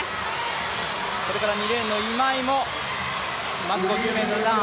それから、２レーンの今井もまず５０ｍターン。